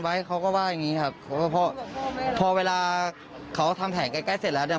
แล้วก็ทีนี้เขาก็มาดึง